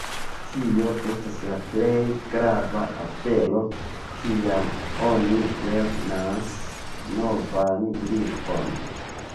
Kio estas la plej grava afero kiam oni lernas novan lingvon?